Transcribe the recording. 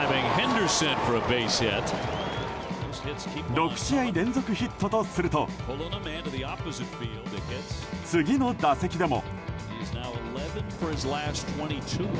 ６試合連続ヒットとすると次の打席でも。